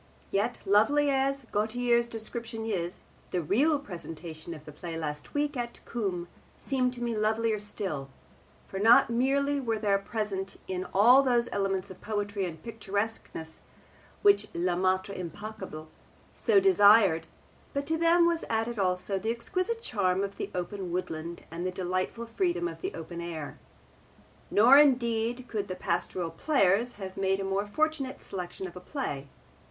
Yet, lovely as Gautier's description is, the real presentation of the play last week at Coombe seemed to me lovelier still, for not merely were there present in it all those elements of poetry and picturesqueness which le maitre impeccable so desired, but to them was added also the exquisite charm of the open woodland and the delightful freedom of the open air. Nor indeed could the Pastoral Players have made a more fortunate selection of a play.